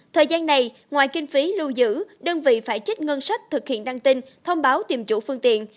thời gian này ngoài kinh phí lưu giữ đơn vị phải trích ngân sách thực hiện đăng tin thông báo tìm chủ phương tiện